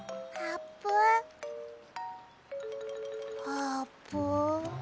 あーぷん。